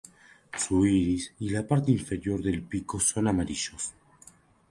Su iris y la parte inferior del pico son amarillos.